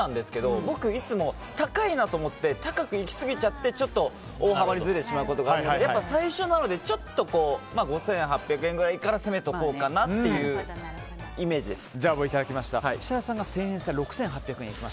僕、いつも高いなと思って高くいきすぎちゃって大幅にずれてしまうことがあるので最初なので５８００円ぐらいから攻めておこうかなっていう設楽さんが６８００円です。